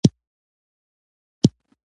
د انګریزانو پوځونو جلال اباد اشغال کړی دی.